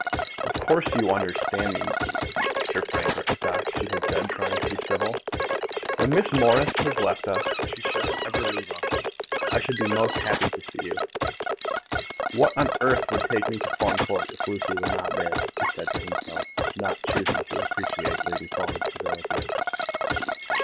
"Of course you understand me, Mr. Greystock," she had said, meaning to be civil. "When Miss Morris has left us, should she ever leave us, I should be most happy to see you." "What on earth would take me to Fawn Court, if Lucy were not there!" he said to himself, not choosing to appreciate Lady Fawn's civility.